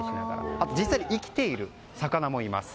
あと実際に生きている魚もいます。